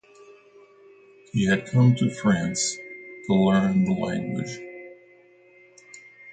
He had come to France to learn the language.